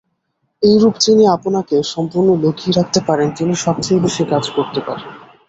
এইরূপ যিনি আপনাকে সম্পূর্ণ লুকিয়ে রাখতে পারেন, তিনি সবচেয়ে বেশী কাজ করতে পারেন।